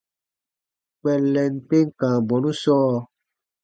Kpɛllɛn tem kãa bɔnu sɔɔ.